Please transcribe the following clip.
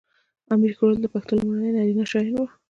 امیر کروړ د پښتو لومړی نرینه شاعر و .